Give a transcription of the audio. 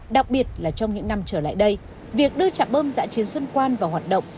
đặc biệt là trong những năm trở lại đây việc đưa trạm bơm giã chiến xuân quan vào hoạt động